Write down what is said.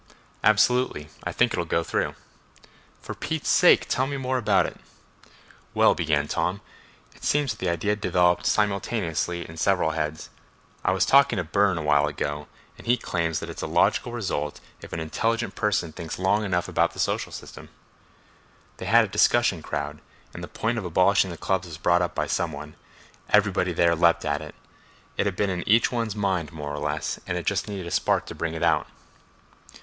"Absolutely. I think it'll go through." "For Pete's sake, tell me more about it." "Well," began Tom, "it seems that the idea developed simultaneously in several heads. I was talking to Burne awhile ago, and he claims that it's a logical result if an intelligent person thinks long enough about the social system. They had a 'discussion crowd' and the point of abolishing the clubs was brought up by some one—everybody there leaped at it—it had been in each one's mind, more or less, and it just needed a spark to bring it out."